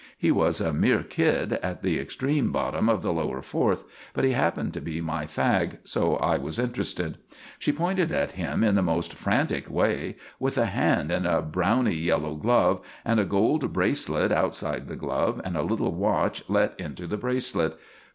He was a mere kid, at the extreme bottom of the Lower Fourth; but he happened to be my fag, so I was interested. She pointed at him, in the most frantic way, with a hand in a browny yellow glove, and a gold bracelet outside the glove and a little watch let into the bracelet.